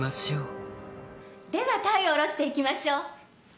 ではタイをおろしていきましょう。